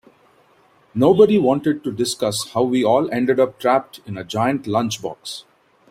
Nobody wanted to discuss how we all ended up trapped in a giant lunchbox.